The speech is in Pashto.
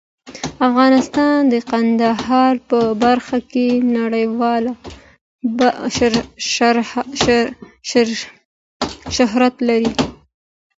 افغانستان د کندهار په برخه کې نړیوال شهرت لري.